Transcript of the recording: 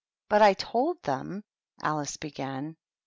"But I told them " Alice began.